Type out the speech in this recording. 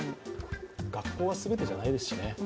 学校が全てじゃないですしね。